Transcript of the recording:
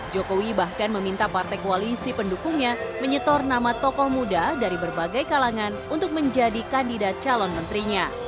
jokowi bahkan meminta partai koalisi pendukungnya menyetor nama tokoh muda dari berbagai kalangan untuk menjadi kandidat calon menterinya